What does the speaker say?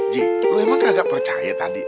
ji lu emang kagak percaya tadi